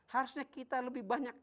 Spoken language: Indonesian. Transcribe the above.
harusnya kita lebih banyak